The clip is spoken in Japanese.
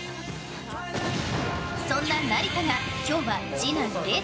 そんな成田が今日は次男れー